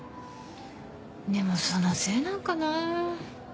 でもそのせいなんかな。